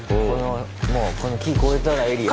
もうこの木越えたらエリア。